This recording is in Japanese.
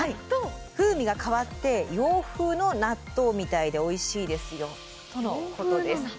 風味が変わって洋風の納豆みたいでおいしいですよとのことです。